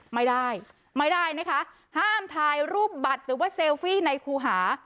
ไม่ได้ไม่ได้นะคะห้ามถ่ายรูปบัตรหรือว่าเซลฟี่ในครูหา